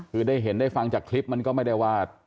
คือได้เห็นได้ฟังจากคลิปมันก็ไม่ได้ว่า